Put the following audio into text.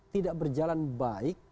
tidak berjalan baik